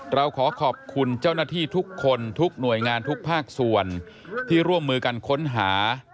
เราขอขอบคุณเจ้าหน้าที่ทุกคนทุกหน่วยงานทุกภาคส่วนที่ร่วมมือกันค้นหา